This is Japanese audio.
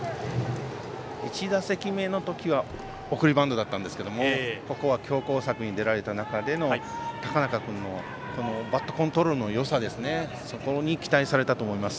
１打席目の時は送りバントだったんですけどここは強攻策に出られた中での高中君のバットコントロールのよさそこに期待されたと思います。